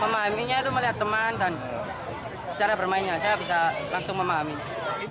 memahaminya itu melihat teman dan cara bermainnya saya bisa langsung memahami